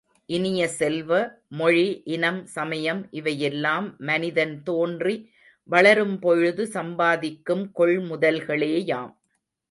இனிய செல்வ, மொழி, இனம், சமயம் இவையெல்லாம் மனிதன் தோன்றி வளரும்பொழுது சம்பாதிக்கும் கொள்முதல்களேயாம்.